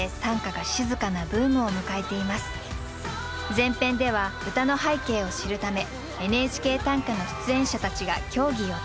前編では歌の背景を知るため「ＮＨＫ短歌」の出演者たちが競技を体験。